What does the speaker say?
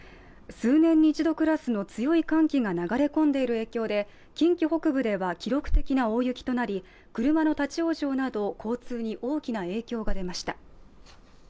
数年に一度クラスの強い寒気が流れ込んでいる影響で近畿北部では記録的な大雪となり、車の立往生など交通に大きな影響が出ました。